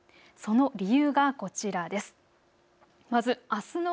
その理由がこちらです。